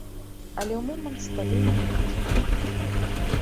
Але ў момант сталення ўсё змянілася.